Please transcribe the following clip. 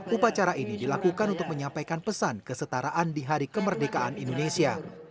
upacara ini dilakukan untuk menyampaikan pesan kesetaraan di hari kemerdekaan indonesia